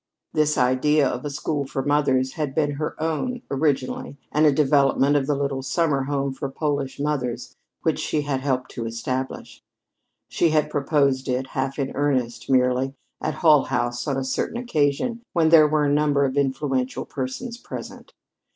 This idea of a school for mothers had been her own, originally, and a development of the little summer home for Polish mothers which she had helped to establish. She had proposed it, half in earnest, merely, at Hull House on a certain occasion when there were a number of influential persons present.